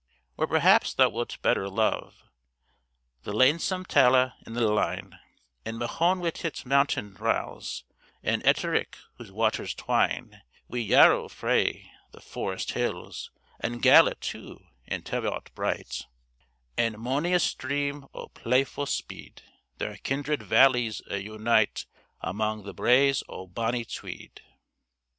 Or perhaps thou wilt better love, The lanesome Tala and the Lyne, And Mahon wi' its mountain rills, An' Etterick, whose waters twine Wi' Yarrow frae the forest hills; An' Gala, too, and Teviot bright, An' mony a stream o' playfu' speed, Their kindred valleys a' unite Amang the braes o' bonnie Tweed!